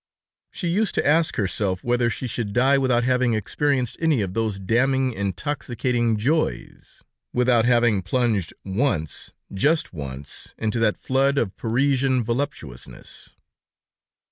She used to ask herself whether she should die without having experienced any of those damning, intoxicating joys, without having plunged once, just once into that flood of Parisian voluptuousness.